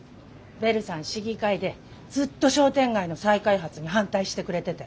ベルさん市議会でずっと商店街の再開発に反対してくれてて。